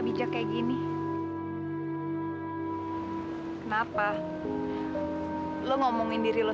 gua gak peduli